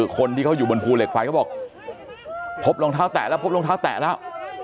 คนที่เขาอยู่บนภูเหล็กไฟเขาบอกพบรองเท้าแตะแล้วพบรองเท้าแตะแล้ว